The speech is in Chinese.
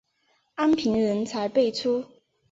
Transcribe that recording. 安平人才辈出。